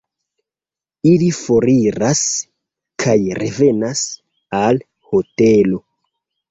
Ili foriras kaj revenas al hotelo.